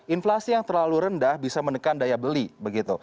inflasi yang terlalu rendah bisa menekan daya beli begitu